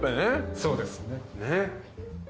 そうですね。